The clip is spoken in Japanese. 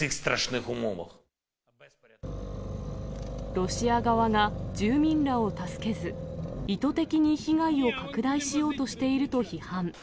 ロシア側が住民らを助けず、意図的に被害を拡大しようとしていると批判。